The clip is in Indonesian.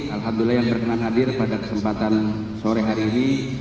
alhamdulillah yang berkenan hadir pada kesempatan sore hari ini